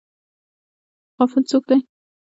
غافل څوک دی؟